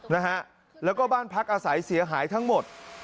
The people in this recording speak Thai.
นะฮะแล้วก็บ้านพักอาศัยเสียหายทั้งหมด